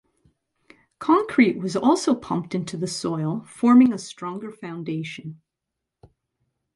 Concrete was also pumped into the soil forming a stronger foundation.